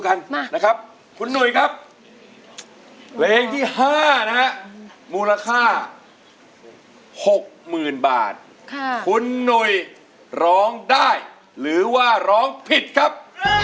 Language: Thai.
คนหนุยร้องได้หรือว่าร้องผิดครับ